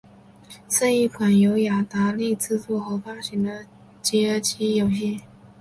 是一款由雅达利制作和发行的街机游戏。